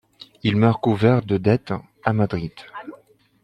Il meurt couvert de dettes à Madrid.